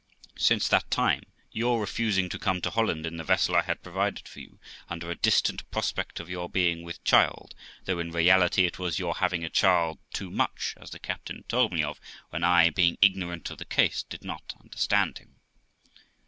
Since that time, your refusing to come to Holland in the vessel I had provided for you, under a distant prospect of your being with child, though in reality it was your having a child too much, as the captain told me of, when I, being ignorant of the case, did not understand him.